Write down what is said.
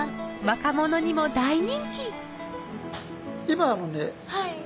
若者にも大人気今。